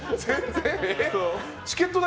え、チケット代